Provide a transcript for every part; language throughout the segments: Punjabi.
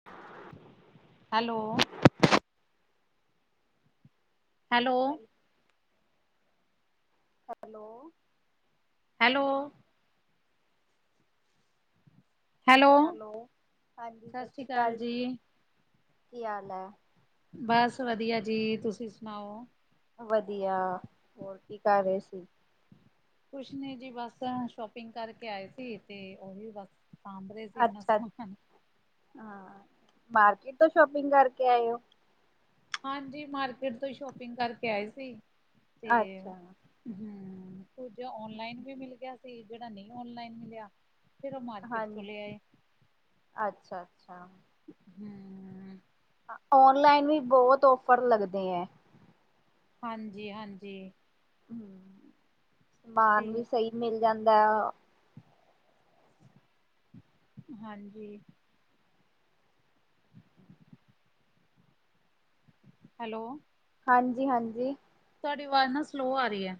[inaudible] Hello. Hello. Hello hello [inaudible] hello. Hello, ਹਾਂਜੀ, ਸਤਿ ਸ਼੍ਰੀ ਅਕਾਲ ਜੀ, ਕੀ ਹਾਲ ਚਾਲ ਹੈ। ਬਸ ਵਧੀਆ ਜੀ ਤੁਸੀਂ ਸੁਣਾਓ? ਵਧੀਆ, ਹੋਰ ਕੀ ਕਰ ਰਹੇ ਸੀ? ਕੁਛ ਨੇ ਜੀ ਬਸ ਸ਼ੋਪਿੰਗ ਕਰਕੇ ਆਏ ਸੀ ਤੇ ਉਹੀ ਬਸ ਸਾਂਭ ਰਹੇ ਸੀ ਆਪਣਾ ਅੱਛਾ, ਸਮਾਨ। ਹਾਂ ਮਾਰਕੀਟ ਤੋਂ ਸ਼ੋਪਿੰਗ ਕਰਕੇ ਆਏ ਹੋ। ਹਾਂਜੀ ਮਾਰਕੀਟ ਤੋਂ ਹੀ ਸ਼ੋਪਿੰਗ ਕਰਕੇ ਆਏ ਸੀ, ਤੇ, ਅੱਛਾ ਹੂੰ। ਕੁਝ ਔਨਲਾਈਨ ਵੀ ਮਿਲ ਗਿਆ ਸੀ ਜਿਹੜਾ ਨਹੀਂ ਔਨਲਾਈਨ ਮਿਲਿਆ, ਫਿਰ ਉਹ ਮਾਰਕੀਟ ਤੋਂ ਲੈ ਆਏ। ਅੱਛਾ-ਅੱਛਾ। ਹੂੰ। ਔਨਲਾਈਨ ਵੀ ਬਹੁਤ ਔਫਰ ਲੱਗਦੇ ਐ। ਹਾਂਜੀ-ਹਾਂਜੀ। ਹੂੰ, ਤੇ ਸਮਾਨ ਵੀ ਸਹੀ ਮਿਲ ਜਾਂਦਾ ਆ। ਹਾਂਜੀ। ਹੈਲੋ। ਹਾਂਜੀ-ਹਾਂਜੀ। ਤੁਹਾਡੀ ਆਵਾਜ਼ ਨਾ ਸਲੋਉ ਆ ਰਹੀ ਐ।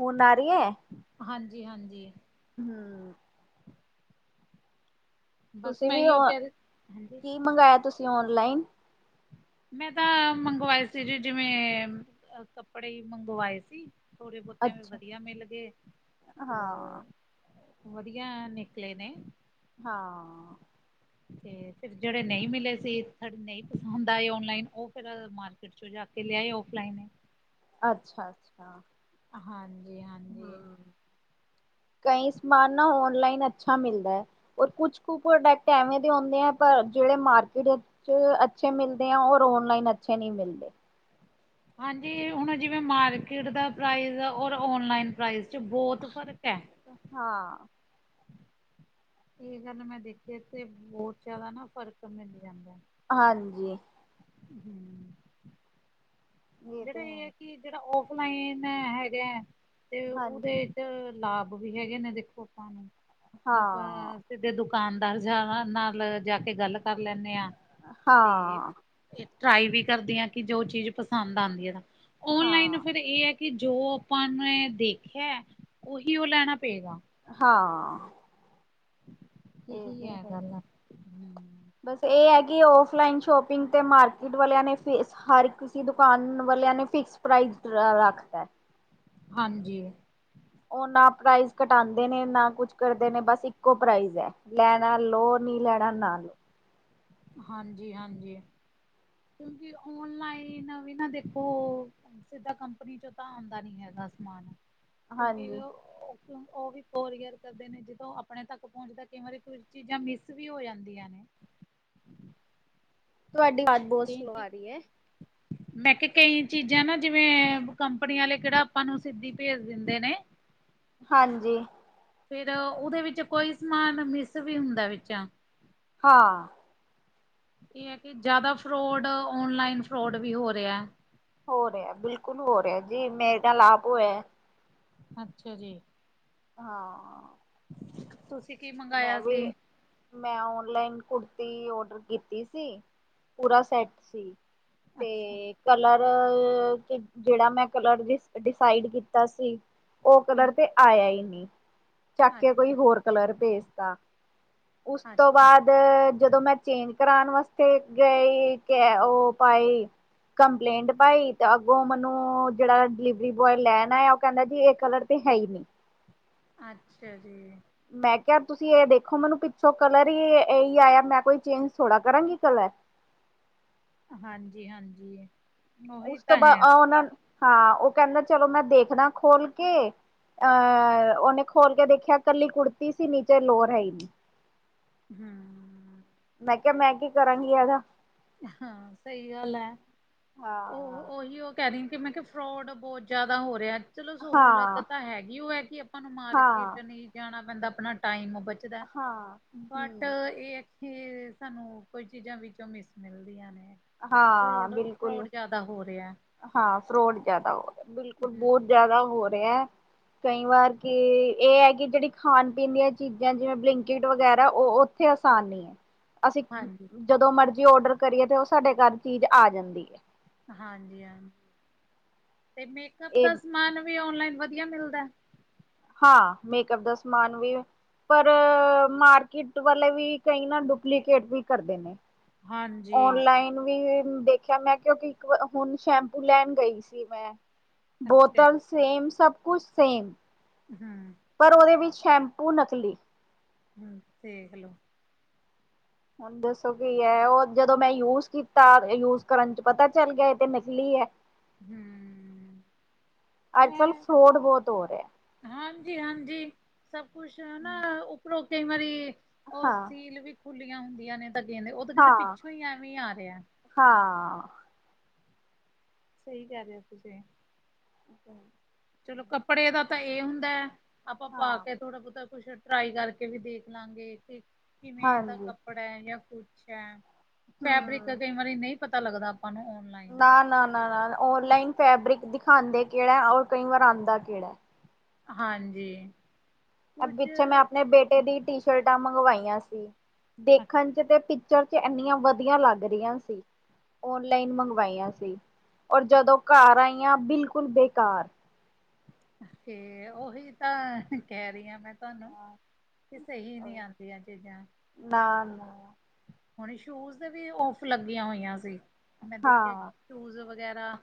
ਹੁਣ ਆ ਰਹੀ ਐ? ਹਾਂਜੀ-ਹਾਂਜੀ। [unintelligible] ਬਸ ਤੁਸੀਂ ਮੈਂ ਵੀ ਉ, ਇਓ ਕਹਿ ਰਹੀ ਹਾਂਜੀ ਕੀ ਮੰਗਾਇਆ ਤੁਸੀਂ ਔਨਲਾਈਨ? ਮੈਂ ਤਾਂ ਮੰਗਵਾਏ ਸੀ ਜੀ ਜਿਵੇਂ ਕੱਪੜੇ ਈ ਮੰਗਵਾਏ ਸੀ। ਥੋੜੇ ਬਹੁਤੇ ਵੀ ਅੱਛਾ ਵਧੀਆ ਮਿਲ ਗਏ, ਤੇ ਹਾਂ ਵਧੀਆ ਆ ਨਿਕਲੇ ਨੇ। ਹਾਂ। ਤੇ ਫਿਰ ਜਿਹੜੇ ਨਹੀਂ ਮਿਲੇ ਸੀ ਸਾਡੇ ਨਹੀਂ ਪਸੰਦ ਆਏ ਓਨਲਾਈਨ ਉਹ ਫਿਰ ਮਾ- ਮਾ‌‌ਰਕੀਟ ਚੋਂ ਜਾ ਕੇ ਲਿਆ ਆਏ ਔਫਲਾਈਨ। ਅੱਛਾ-ਅੱਛਾ। ਹਾਂਜੀ-ਹਾਂਜੀ। ਕਈ ਸਮਾਨ ਨਾ ਔਨਲਾਈਨ ਅੱਛਾ ਮਿਲਦਾ ਐ। ਹੋਰ ਕੁਛ ਕੁ ਪ੍ਰੋਡਕਟਵੇਂ ਦੇ ਹੁੰਦੇ ਆ ਪਰ ਜਿਹੜੇ ਮਾਰਕੀਟ, ਅੱਛੇ ਮਿਲਦੇ ਆ ਔਰ ਔਨਲਾਈਨ ਅੱਛੇ ਨੀ ਮਿਲਦੇ। ਹਾਂਜੀ ਹੁਣ ਜਿਵੇਂ ਮਾਰਕੀਟ ਦਾ ਪ੍ਰਾਈਜ਼ ਔਰ ਔਨਲਾਈਨ ਪ੍ਰਾਈਜ਼। ਚ ਬੋਤ ਫ਼ਰਕ ਐ। ਹਾਂ ਇਹ ਗੱਲ ਮੈਂ ਦੇਖੀ ਏ ਤੇ ਬੋਹਤ ਜਾਦਾ ਨਾ ਫ਼ਰਕ ਮਿਲ ਜਾਂਦਾ। ਹਾਂਜੀ ਹੂੰ। ਜੇੜਾ ਤੇ ਇਹ ਐ ਹੈ। ਕਿ ਜੇੜਾ ਔਫਲਾਈਨ ਹੈਗਾ ਐ ਤੇ ਹਾਂਜੀ ਉਦੇ ਲਾਭ ਵੀ ਹੈਗੇ ਨੇ ਦੇਖੋ ਆਪਾਂ ਨੂੰ ਜੇ ਆਪਾਂ ਹਾਂ ਕਿ ਦੇ ਦੁਕਾਨਦਾਰ ਜਾਵਾ ਨਾਲ ਜਾ ਕੇ ਗੱਲ ਕਰ ਲੈਂਨੇ ਆਂ ਤੇ ਹਾਂ ਟਰਾਈ ਵੀ ਕਰਦੀ ਆ ਕਿ ਜੋ ਚੀਜ਼ ਪਸੰਦ ਆਂਦੀ ਐ ਤਾਂ ਔਨਲਾਈਨ ਹਾਂ ਫੇਰ ਇਹ ਐ। ਕਿ ਜੋ ਆਪਾਂ ਨੇ ਦੇਖਿਆ ਓਹੀ ਹ ਲੈਣਾ ਪਏਗਾ। ਹਾਂ ਇਹ ਇਹੀ ਤੇ ਆ ਹੈ। ਗੱਲ ਹੂੰ। ਬਸ ਏਹ ਅ ਕਿ ਔਫਲਾਈਨ ਸ਼ੋਪਿੰਗ ਤੇ ਮਾਰਕੀਟ ਵਾਲਿਆਂ ਨੇ ਫੀਸ ਹਰ ਕ- ਕਿਸੀ ਦੁਕਾਨ ਵਾਲਿਆਂ ਨੇ ਫਿਕਸ ਪ੍ਰਾਈਜ਼ ਰ ਰੱਖਤਾ ਐ। ਹਾਂਜੀ ਓਹ ਨਾ ਪ੍ਰਾਈਜ਼ ਘਟਾਨਦੇ ਨੇ ਨਾ ਕੁਛ ਕਰਦੇ ਨੇ ਬਸ ਇੱਕੋ ਪ੍ਰਾਈਜ਼ ਐ। ਲੈਣਾ ਲੋ ਨੀਂ ਲੈਣਾ ਨਾ ਲੋ। ਹਾਂਜੀ-ਹਾਂਜੀ। ਕਿਉਂਕਿ ਔਨਲਾਈਨ ਵੀ ਨਾ ਦੇਖੋ ਸਿੱਧਾ ਕੰਪਨੀ ਚੋਂ ਤਾਂ ਆਦਾ ਨੀ ਹੈਗਾ ਸਮਾਨ ਕਿਉਂਕਿ ਹਾਂਜੀ ਓਹ - ਓਹ ਵੀ ਕੋਰੀਅਰ ਕਰਦੇ ਨੇ ਜਦੋਂ ਅਪਣੇ ਤੱਕ ਪਹੁੰਚਦਾ ਕਈ ਵਾਰੀ ਚੀਜ਼ਾਂ ਮਿਸ ਵੀ ਹੋ ਜਾਂਦੀਆਂ ਨੇ। ਤੁਵਾਡੀ ਆਵਾਜ਼ ਬਹੁਤ ਕਈ ਸਲੋ ਚੀ ਆ ਰਹੀ ਐ। ਮੈਂ ਕਿਹਾ ਕਈ ਚੀਜ਼ਾਂ ਨਾ ਜਿਵੇਂ ਕੰਪਨੀ ਆਲੇ ਕੇੜਾ ਆਪਾਂ ਨੂੰ ਸਿੱਧੀ ਭੇਜ ਦਿੰਦੇ ਨੇ। ਹਾਂਜੀ ਫਿਰ ਓਦੇ ਵਿੱਚ ਕੋਈ ਸਮਾਨ ਮਿਸ ਵੀ ਹੁੰਦਾ ਵਿੱਚ ਹਾਂ ਇਹ ਐ ਕਿ ਜਾਦਾ ਫਰੋਡ, ਔਨਲਾਈਨ ਫਰੋਡ ਵੀ ਹੋ ਰਿਆ। ਹੋ ਰਿਹਾ ਬਿਲਕੁਲ ਹੋ ਰਿਹਾ ਜੀ ਮੇਰੇ ਨਾਲ ਆਪ ਹੋਇਆ। ਅੱਛਾ ਜੀ। ਹਾਂ [inaudible] ਮੈਂ ਸੀ ਵੀ ਮੈ ਓਨਲਾਈਨ ਕੁੜਤੀ ਓਡਰ ਕੀਤੀ ਸੀ, ਪੂਰਾ ਸੈੱਟ ਸੀ। ਅੱਛਾ ਤੇ ਕਲਰ ਤੇ ਕੇੜਾ ਮੈਂ ਕਲਰ ਡਿ ਡਿਸਾਈਡ ਕੀਤਾ ਸੀ ਓਹ ਕਲਰ ਹਮ ਤੇ ਆਇਆ ਈ ਨੀ ਚੱਕ ਕੇ ਕੋਈ ਅੱਛਾ ਹੋਰ ਕਲਰ ਭੇਜਤਾ। ਉਸ ਤੋਂ ਅੱਛਾ ਬਾਦ ਦ ਜਦੋਂ ਮੈਂ ਚੇਂਜ ਕਰਾਨ ਵਾਸਤੇ ਗਈ ਕ ਓਹ ਪਾਈ ਕੰਪਲੇਂਟ ਪਾਈ ਤੇ ਅੱਗੋਂ ਮੈਨੂੰ ਜੇੜਾ ਡਿਲੀਵਰੀ ਬੁਆਏ ਲੈਣ ਆਇਆ ਉਹ ਕਹਿੰਦਾ ਜੀ ਇਹ ਕਲਰ ਤੇ ਹੈ ਈ ਨੀ। ਅੱਛਾ ਜੀ। ਮੈਂ ਕਯਾ ਤੁਸੀਂ ਇਹ ਦੇਖੋ ਮੈਨੂੰ ਪਿੱਛੋਂ ਕਲਰ ਈ ਇਹੀ ਆਇਆ ਮੈਂ ਕੋਈ ਚੇਂਜ ਥੋੜ੍ਹਾ ਕਰਾਂਗੀ ਕਲਰ ਹਾਂਜੀ- ਹਾਂਜੀ। ਉਹੀ ਉਸ ਤੋਂ ਤਾਂ ਬਾਅਦ ਹੈ ਓਹ ਨਾ ਹਾਂ ਹ ਕੇਂਦਾ ਚਲੋ ਮੈਂ ਦੇਖਨਾ ਖੋਲ ਕੇ ਅਹ ਉਹਨੇ ਖੋਲ ਕੇ ਦੇਖਿਆ, ਕੱਲੀ ਕੁੜਤੀ ਸੀ, ਨੀਚੇ ਲੋਰ ਹੈ ਈ ਨੀ। ਹੂੰ ਮੈਂ ਕਿਹਾ। ਮੈਂ ਕੀ ਕਰਾਂਗੀ ਆਜਾ ਹਾਂ। ਸਹੀ ਗੱਲ ਐ, ਉਹ ਹਾਂ ਉਹੀ ਉ ਕਹਿ ਰਹੀ ਆ, ਕਿ ਮੈਂ ਕਿਹਾ ਫਰੋਡ ਬਹੁਤ ਜ਼ਿਆਦਾ ਹੋ ਰਿਹਾ। ਚਲੋ ਸਹੂਲਤ ਹਾਂ ਤਾਂ ਹੈਗੀ, ਉਹ ਐ ਕਿ ਆਪਾਂ ਨੂੰ ਹਾਂ ਮਾਰਕੀਟ ਨਹੀਂ ਜਾਣਾ ਪੈਂਦਾ, ਆਪਣਾ ਟਾਈਮ ਬਚ ਦਾ ਹਾਂ ਬਟ, ਹਮ ਇਹ ਆ ਕਿ ਸਾਨੂੰ ਕੁਝ ਚੀਜ਼ਾਂ ਵਿੱਚੋਂ ਮਿਸ ਮਿਲਦੀਆਂ ਨੇ, ਹਾਂ ਫਰੋਡ, ਬਿਲਕੁਲ ਫਰੋੜ ਜਿਆਦਾ ਹੋ ਰਿਹਾ। ਹਾਂ, ਫਰੋਡ ਜਿਆਦਾ ਹੋ ਰਿਹਾ, ਬਿਲਕੁਲ ਹੂੰ ਬਹੁਤ ਜ਼ਿਆਦਾ ਹੋ ਰਿਹਾ। ਕਈ ਵਾਰ ਕਿ ਇਹ ਹੈ। ਕਿ ਜਿਹੜੀ ਖਾਣ ਪੀਣ ਦੀਆਂ ਚੀਜ਼ਾਂ ਜਿਵੇਂ ਬਲਿੰਕਿਟ ਵਗੈਰਾ ਉਹ ਉੱਥੇ ਆਸਾਨ ਅਸੀਂ ਹਾਂਜੀ। ਜਦੋਂ ਮਰਜੀ ਓਡਰ ਕਰੀਏ, ਤੇ ਉਹ ਸਾਡੇ ਘਰ ਚੀਜ਼ ਆ ਜਾਂਦੀ ਐ। ਹਾਂਜੀ, ਹਾਂਜੀ ਤੇ ਮੇਕਅਪ ਇਹ ਦਾ ਸਮਾਨ ਵੀ ਓਨਲਾਈਨ ਵਧੀਆ ਮਿਲਦਾ? ਹਾਂ। ਮੇਕਅਪ ਦਾ ਸਮਾਨ ਵੀ ਪਰ ਮਾਰਕੀਟ ਵਾਲੇ ਵੀ, ਕਈ ਨਾ ਡੁਪਲੀਕੇਟ ਵੀ ਕਰਦੇ ਨੇ। ਹਾਂਜੀ ਔਨਲਾਈਨ ਵੀ ਦੇਖਿਆ। ਮੈਂ ਕਿਉਂਕਿ ਇੱਕ ਹੁਣ ਸ਼ੈਂਪੂ ਲੈਣ ਗਈ ਸੀ, ਮੈਂ ਅੱਛਾ। ਬੋਤਲਸ ਸੇਮ, ਸਭ ਕੁਛ ਸੇਮ ਹਾਂ। ਪਰ, ਉਹਦੇ ਵਿੱਚ ਸ਼ੈਂਪੂ ਨਕਲੀ ਹਾ ਦੇਖ ਲੋ ਹੁਣ ਦੱਸੋ ਕੀ ਐ, ਉਹ ਜਦੋਂ ਮੈਂ ਯੂਜ ਕੀਤਾ ਯੂਜ ਕਰਨ ਚ ਪਤਾ ਚੱਲ ਗਿਆ, ਇਹ ਤਾ ਨਿਕਲੀ ਐ। ਹੂੰ ਅੱਜ ਕੱਲ ਫਰੋੜ ਬਹੁਤ ਹੋ ਰਹੇ ਐ। ਹਾਂਜੀ, ਹਾਂਜੀ ਸਭ ਕੁਛ ਹੈਨਾ, ਉੱਪਰੋਂ ਕਈ ਵਾਰੀ ਉਹ ਹਾਂ ਸੀਲ ਵੀ ਖੁੱਲੀਆਂ ਹੁੰਦੀਆਂ ਨੇ, ਉਹ ਤਾਂ ਕਹਿੰਦੇ ਹਾਂ ਪਿੱਛੋਂ ਈ ਐਵੇਂ ਈ ਆ ਰਿਹਾ। ਹਾਂ। ਸਹੀ ਕਹਿ ਰਹੇ ਓ ਤੁਸੀਂ। [inaudible] ਚਲੋ ਕੱਪੜੇ ਦਾ ਤਾਂ ਇਹ ਹੁੰਦਾ ਐ, ਆਪਾਂ ਪਾ ਹਾਂ ਕੇ ਥੋੜਾ ਬਹੁਤਾ ਕੁਛ ਟਰਾਈ ਕਰਕੇ ਵੀ ਦੇਖ ਲਾਂਗੇ, ਕਿ ਕਿਵੇਂ ਦਾ ਹਾਂਜੀ ਕੱਪੜਾ ਹੈ, ਯਾ ਕੁਛ ਹੈ। ਫੈਬਰਿਕ ਹਮ ਕਈ ਵਾਰੀ ਨਹੀਂ, ਪਤਾ ਲੱਗਦਾ ਆਪਾਂ ਨੂੰ, ਔਨਲਾਈਨ ਨਾ, ਨਾ, ਨਾ, ਨਾ ਔਨਲਾਈਨ ਫੈਬਰਿਕ ਦਿਖਾਉਂਦੇ ਕਿਹੜਾ, ਔਰ ਕਈ ਵਾਰ ਆਂਦਾ ਕਿਹੜਾ। ਹਾਂਜੀ। ਕੁੱਝ ਪਿੱਛੇ ਮੈਂ ਆਪਣੇ ਬੇਟੇ ਦੀ ਟੀ ਸ਼ਰਟਾਂ ਮੰਗਵਾਈਆਂ ਸੀ, ਦੇਖਣ ਚ ਤੇ ਚ ਇੰਨੀਆਂ ਵਧੀਆ ਲੱਗ ਰਹੀਆਂ ਸੀ, ਔਨਲਾਈਨ ਮੰਗਵਾਈਆਂ ਸੀ। ਔਰ ਜਦੋਂ ਘਰ ਆਈਆਂ, ਬਿਲਕੁਲ ਬੇਕਾਰ। ਤੇ ਉਹੀ ਤਾਂ ਕਹਿ ਰਹੀ ਹਾਂ ਮੈਂ ਤੁਹਾਨੂੰ ਕਿ ਸਹੀ ਨੀ ਆਂਦੀਆਂ ਚੀਜ਼ਾਂ। ਨਾ-ਨਾ ਹੁਣ ਸ਼ੂਜ ਤੇ ਵੀ ਔਫ ਲੱਗੀਆਂ ਹੋਈਆਂ ਸੀ, ਮੈਂ ਦੇਖਿਆ। ਹਾਂ ਸ਼ੂਜ਼ ਵਗੈਰਾ,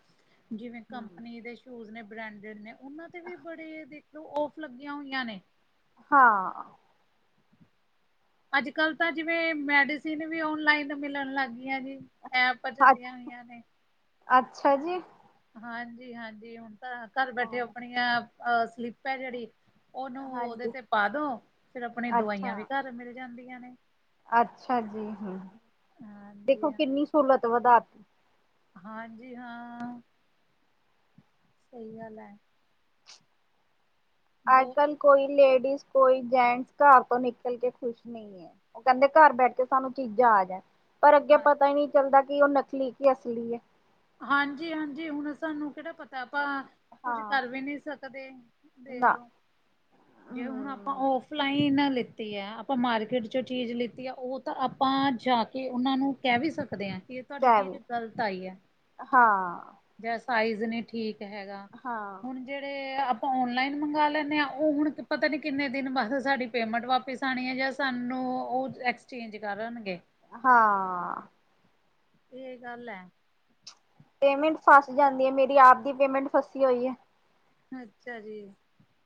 ਜਿਵੇਂ ਕੰਪਨੀ ਦੇ ਸ਼ੂਜ਼ ਨੇ, ਬ੍ਰੈਂਡਡ ਨੇ ਉਹਨਾਂ ਤੇ ਵੀ ਬੜੇ ਦੇਖਲੋ, ਔਫ ਲੱਗੀਆਂ ਹੋਈਆਂ ਨੇ। ਹਾਂ। ਅੱਜ ਕਲ ਤਾਂ ਜਿਵੇਂ ਮੈਡੀਸਿਨ ਵੀ, ਔਨਲਾਈਨ ਮਿਲਣ ਲੱਗ ਗਈਆਂ ਜੇ। ਐਨਾ ਚੱਲੀਆਂ ਹੋਈਆਂ ਨੇ। [unintelligible] ਅੱਛਾ ਜੀ। ਹਾਂਜੀ-ਹਾਂਜੀ ਹੁਨ ਤਾਂ ਘਰ ਬੈਠੇ ਹਾਂ ਆਪਨੀਆਂ ਅ ਸਲਿਪ ਐ ਜੇੜੀ ਓਨੂੰ ਓਦੇ ਹਾਂਜੀ ਤੇ ਪਾ ਦੋ, ਫਿਰ ਆਪਨੀ ਅੱਛਾ ਦਵਾਈਆਂ ਵੀ ਘਰ ਮਿਲ ਜਾਂਦੀਆਂ ਨੇ। ਅੱਛਾ ਜੀ ਹੂੰ, ਹਾਂਜੀ ਦੇਖੋ ਹਾਂ ਕਿੰਨੀ ਸਹੂਲਤ ਵਦਾਤੀ। ਹਾਂਜੀ ਹਾਂ। ਸਈ ਗੱਲ ਐ। ਬਹੁਤ ਅੱਜ-ਕੱਲ ਕੋਈ ਲੇਡੀਜ਼ ਕੋਈ ਜੈਂਟਸ ਘਰ ਤੋਂ ਨਿਕਲ ਕੇ ਖੁਸ਼ ਨਈਂ ਐ। ਓ ਕੈਂਦੇ ਘਰ ਬੈਠ ਕੇ ਸਾਨੂੰ ਚੀਜ਼ਾਂ ਆ ਜਾਨ। ਪਰ ਅੱਗੇ ਹਾਂ ਪਤਾ ਈ ਨੀ ਚੱਲਦਾ ਕੇ ਓ ਨਕਲੀ ਕੀ ਅਸਲੀ ਐ। ਹਾਂਜੀ-ਹਾਂਜੀ ਹੁਨ ਸਾਨੂੰ ਕੇੜਾ ਪਤਾ ਆਪਾਂ ਕੁਝ ਹਾਂ ਕਰ ਵੀ ਨੀ ਸਕਦੇ ਨਾ ਦੇਖਲੋ ਜੇ ਹੁਨ ਆਪ ਆਪਾਂ ਹਮ ਔਫਲਾਈਨ ਲਿੱਤੀ ਆ, ਆਪਾਂ ਮਾਰਕੀਟ ਚੋਂ ਚੀਜ਼ ਲਿੱਤੀ ਆ ਓ ਤਾਂ ਆਪਾਂ ਜਾ ਕੇ ਓਨਾਂ ਨੂੰ ਕੈ ਵੀ ਸਕਦੇ ਆਂ ਕੇ ਤੁਆਡੀ ਕੈ ਚੀਜ਼ ਵੀ ਗ਼ਲਤ ਆਈ ਐ। ਹਾਂ। ਜਾਂ ਸਾਈਜ਼ ਨੀ ਠੀਕ ਹੈਗਾ, ਹਾਂ ਹੁਨ ਜੇੜੇ ਆਪਾਂ ਔਨਲਾਈਨ ਮੰਗਵਾ ਲੈਂਨੇ ਆਂ, ਓ ਹੁਨ ਪਤਾ ਨੀ ਕਿੰਨੇ ਦਿਨ ਵਾਸਤੇ ਸਾਡੀ ਪੇਮੈਂਟ ਵਾਪਿਸ ਆਨੀ ਐ ਜਾਂ ਸਾਨੂੰ ਓ ਐਕਸਚੇਂਜ ਕਰਨਗੇ‌। ਹਾਂ। ਏ ਗੱਲ ਐ। ਪੇਮੈਂਟ ਫਸ ਜਾਂਦੀ ਏ ਮੇਰੀ ਆਬਦੀ ਪੇਮੈਂਟ ਫਸੀ ਹੋਈ ਐ। ਅੱਛਾ ਜੀ।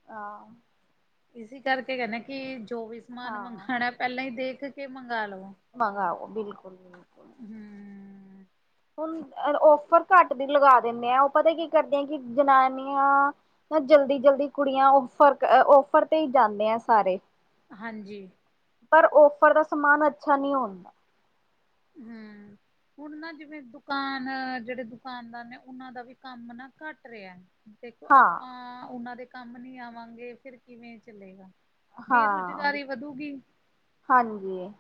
ਹਾਂ। ਇਸੀ ਕਰਕੇ ਕੈਨੇ ਆਂ ਕੀ ਜੋ ਵੀ ਸਮਾਨ ਹਾਂ ਮੰਗਵਾਨਾ ਪੈਲਾਂ ਈ ਦੇਖ ਕੇ ਮੰਗਾ ਲਵੋ। ਮੰਗਾਓ ਬਿਲਕੁਲ-ਬਿਲਕੁਲ। ਉਹੂੰ ਹੁਨ ਓਫਰ ਘੱਟ ਦੀ ਲਗਾ ਦਿੰਨੇ ਆ ਓ ਪਤਾ ਕੀ ਕਰਦੇ ਆ ਕੀ ਜਨਾਨੀਆਂ ਜਲਦੀ-ਜਲਦੀ ਕੁੜੀਆਂ ਓਫਰ-ਓਫਰ ਤੇ ਈ ਜਾਂਨੇ ਆ ਸਾਰੇ। ਹਾਂਜੀ। ਪਰ ਓਫਰ ਦਾ ਸਮਾਨ ਅੱਛਾ ਨਈ ਹੁੰਦਾ। [unintelligible] ਹੁਨ ਨਾ ਜਿਵੇਂ ਦੁਕਾਨ ਜੇੜੇ ਦੁਕਾਨਦਾਰ ਨੇ ਓਨਾਂ ਦਾ ਵੀ ਕੰਮ ਨਾ ਘੱਟ ਰਿਆ। ਦੇਖੋ ਹਾਂ ਆਪਾਂ ਓਨਾਂ ਦੇ ਕੰਮ ਨੀ ਆਵਾਂਗੇ ਫਿਰ ਕਿਵੇਂ ਚੱਲੇਗਾ। ਹਾਂ, ਬੇਰੁਜ਼ਗਾਰੀ ਵਧੂਗੀ। ਹਾਂਜੀ।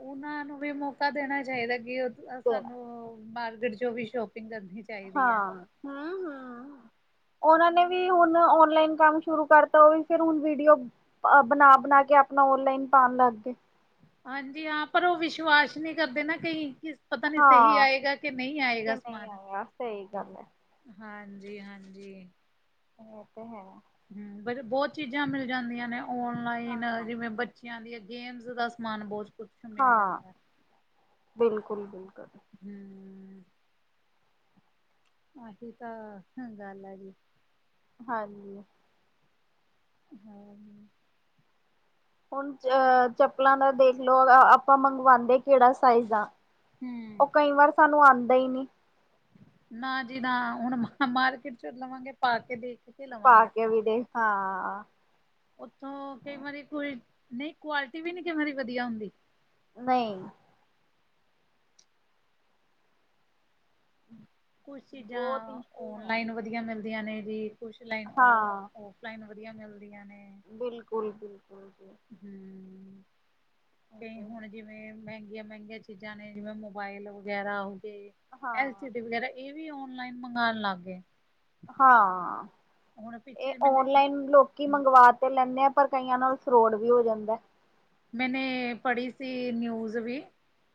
ਓਨਾਂ ਨੂੰ ਵੀ ਮੋਕਾ ਦੇਨਾ ਚਾਈਦਾ ਕੇ ਓ ਦੇਣਾ ਸਾਨੂੰ ਮਾਰਕੀਟ ਚੋ ਵੀ ਸ਼ੋਪਿੰਗ ਕਰਨੀ ਚ ਹਾਂ-ਹਾਂ-ਹਾਂ। ਓਨਾਂ ਨੇ ਵੀ ਹੁਨ ਔਨਲਾਈਨ ਕੰਮ ਸ਼ੁਰੂ ਕਰਤਾ ਓ ਵੀ ਫਿਰ ਹੁਨ ਵੀਡੀਓ ਅ ਬਨਾ-ਬਨਾ ਕੇ ਆਪਨਾ ਔਨਲਾਈਨ ਪਾਨ ਲਾਗੇ। ਹਾਂਜੀ ਹਾਂ ਪਰ ਓ ਵਿਸ਼ਵਾਸ ਨੀ ਕਰਦੇ ਨਾ ਕਈ ਕਿਸ ਪਤਾ ਨੀ ਸਈ ਹਾਂ ਆਏਗਾ ਕੇ ਨਈ ਕਿ ਆਏਗਾ ਨਹੀਂ ਸਮਾਨ। ਆਇਆ ਸਹੀ ਗੱਲ ਹੈ ਹਾਂਜੀ-ਹਾਂਜੀ। ਏ ਤੇ ਹੈ। ਹੂੰ, ਬੋਤ ਚੀਜ਼ਾਂ ਮਿਲ ਜਾਂਦੀਆਂ ਨੇ ਓਨਲਾਈਨ ਹਾਂ ਜਿਵੇਂ ਬੱ ਬੱਚੇਆਂ ਦੀਆਂ ਗੇਮਜ ਦਾ ਸਮਾਨ ਬੋਤ ਕੁਛ ਮਿਲ ਹਾਂ, ਜਾਂਦਾ ਬਿਲਕੁਲ-ਬਿਲਕੁਲ। ਹੂੰ। ਆਹੀ ਤਾਂ ਗੱਲ ਆ ਜੀ। ਹਾਂਜੀ ਹੂੰ ਹੂੰ ਹੁਣ ਅ ਚੱਪਲਾਂ ਦਾ ਦੇਖ ਲਓ ਆਪਾਂ ਮੰਗਵਾਉਦੇ ਕਿਹੜਾ ਸਾਈਜ਼ ਆ। ਹਮ ਉਹ ਕਈ ਵਾਰ ਸਾਨੂੰ ਆਉਂਦਾ ਹੀ ਨਹੀਂ। ਨਾਂ ਜੀ ਨਾਂ ਹੁਣ ਮਾਰਕੀਟ ਚ ਲਵਾਂਗੇ ਪਾ ਕੇ ਦੇਖ ਕੇ ਪਾ ਲਵਾਂਗੇ ਕੇ ਆਪਾਂ ਵੀ ਦੇਖ ਹਾਂ। ਉੱਥੋਂ ਕਈ ਵਾਰੀ ਕੋਈ ਨਹੀਂ ਕੁਆਲਿਟੀ ਵੀ ਨੀ ਕਈ ਵਾਰੀ ਵਧੀਆ ਹੁੰਦੀ। ਨਹੀਂ ਕੁਛ ਬਹੁਤ ਚੀਜ਼ਾਂ ਇਸ਼ੂ ਓਨ ਹੈ ਲਾਈਨ ਵਧੀਆ ਮਿਲਦੀਆਂ ਨੇ ਜੀ ਕੁਛ ਲਾਈਨ ਉਹ ਹਾਂ ਓ ਆਫਲਾਈਨ ਵਧੀਆ ਮਿਲਦੀਆਂ ਨੇਂ। ਬਿਲਕੁਲ- ਬਿਲਕੁਲ ਜੀ ਹੂੰ ਇਹ ਕਈ ਤੇ ਹੁਣ ਹੈ। ਜਿਵੇਂ ਮਹਿੰਗੀਆਂ- ਮਹਿੰਗੀਆਂ ਚੀਜ਼ਾਂ ਨੇ ਜਿਵੇਂ ਮੋਬਾਇਲ ਵਗੈਰਾ ਹੋ ਗਏ ਐਲ ਹਾਂ ਸੀ ਡੀ ਵਗੈਰਾ। ਇਹ ਵੀ ਔਨਲਾਈਨ ਮੰਗਾਉਣ ਲੱਗ ਗਏ। ਹਾਂ ਹੁਣ ਇਹ ਪਿੱਛੇ ਮੈਨੇ ਓਨਲਾਈਨ ਲੋਕੀ ਮੰਗਵਾ ਤੇ ਲੈਂਦੇ ਆ ਪਰ ਕਈਆਂ ਨਾਲ ਫਰੋੜ ਵੀ ਹੋ ਜਾਂਦਾ। ਮੈਨੇਂ ਪੜ੍ਹੀ ਸੀ ਨਿਊਜ਼ ਵੀ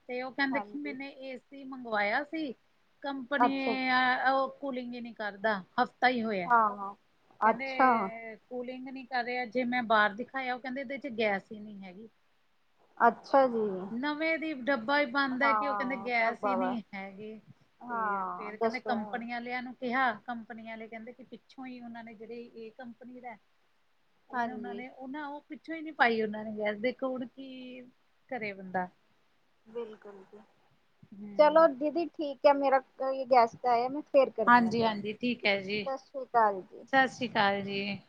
ਤੇ ਉਹ ਕਹਿੰਦੇ ਕਿ ਹਾਂਜੀ ਮੈਨੇ ਇਸ ਏ ਸੀ ਮੰਗਵਾਇਆ ਸੀ [inaudible] ਕੰਪਨੀ ਅੱਛਾ ਜੀ ਉਹ ਕੂਲਿੰਗ ਹੀ ਨਹੀਂ ਕਰਦਾ ਹਫ ਤਾਂ ਈ ਹੋਇਆ। ਹਾਂ ਅੱਛਾ ਕਹਿੰਦੇ ਕੂਲਿੰਗ ਹੀ ਨੀ ਕਰ ਰਿਹਾ ਜੇ ਮੈਂ ਬਾਹਰ ਦਿਖਾਇਆ ਉਹ ਕਹਿੰਦੇ ਇਹਦੇ ਚ ਗੈਸ ਹੀ ਨਹੀਂ ਹੈਗੀ। ਅੱਛਾ ਜੀ ਨਵੇਂ ਦੀ ਡੱਬਾ ਹੀ ਬੰਦ ਹੈ ਕਿ ਉਹ ਕਹਿੰਦੇ ਹਾਂ ਗੈਸ ਈ ਢਾਬਾ ਵਾ ਨੀ ਹੈਗੀ। ਤੇ ਫੇਰ- ਹਾਂ ਫੇਰ ਕਹਿੰਦੇ ਦੱਸੋ ਹੁਣ ਕੰਪਨੀ ਵਾਲਿਆਂ ਨੂੰ ਤੇ ਹਾਂ ਕੰਪਨੀ ਆਲੇ ਕਹਿੰਦੇ ਕਿ ਪਿੱਛੋਂ ਹੀ ਉਹਨਾਂ ਨੇ ਜਿਹੜੇ ਇਹ ਕੰਪਨੀ ਲੈ ਉਹ ਕਹਿੰਦੇ ਉਹਨਾਂ ਹਾਂਜੀ ਨੇ ਉਹ ਨਾ ਉਹ ਪਿੱਛੋਂ ਹੀ ਨੀ ਪਾਈ ਉਹਨਾਂ ਨੇ ਗੈਸ ਦੇਖੋ ਹੁਣ ਕੀ ਕਰੇ ਬੰਦਾ। ਬਿਲਕੁਲ ਜੀ ਹੂੰ ਚਲੋ ਦੀਦੀ ਠੀਕ ਹੈ ਮੇਰਾ ਕੋਈ ਗੈਸਟ ਆਏ ਮੈਂ ਫੇਰ ਕਰਦੀ ਆਂ ਤੁਹਾਨੂੰ ਹਾਂਜੀ-ਹਾਂਜੀ ਸਤਿ ਸ੍ਰੀ ਅਕਾਲ ਜੀ। ਹਾਂਜੀ